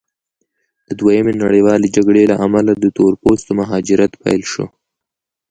د دویمې نړیوالې جګړې له امله د تور پوستو مهاجرت پیل شو.